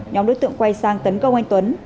nhóm đối tượng quay sang tấn công anh tuấn